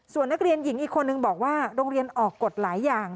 ส่วนนักเรียนหญิงอีกคนนึงบอกว่าโรงเรียนออกกฎหลายอย่าง